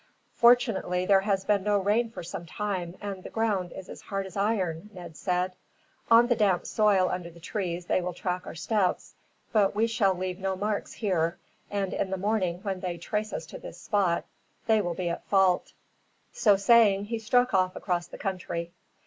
"Fortunately there has been no rain for some time, and the ground is as hard as iron," Ned said. "On the damp soil under the trees they will track our steps, but we shall leave no marks here; and in the morning, when they trace us to this spot, they will be at fault." So saying, he struck off across the country.